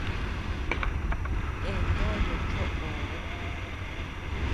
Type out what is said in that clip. Nde noyo choʼo.